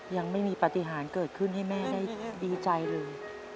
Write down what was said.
ยังไม่มีปฏิหารเกิดขึ้นให้แม่ได้ดีใจเลย